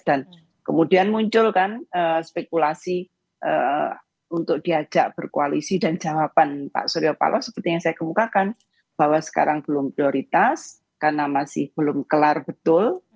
dan kemudian muncul kan spekulasi untuk diajak berkoalisi dan jawaban pak surya paloh seperti yang saya kemukakan bahwa sekarang belum prioritas karena masih belum kelar betul